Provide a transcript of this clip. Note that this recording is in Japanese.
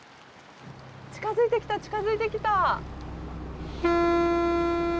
近づいてきた近づいてきた。